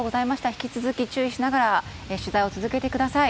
引き続き注意しながら取材を続けてください。